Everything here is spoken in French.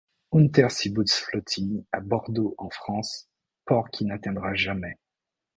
Unterseebootsflottille à Bordeaux en France, port qui n'atteindra jamais..